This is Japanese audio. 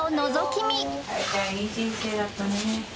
いい人生だったね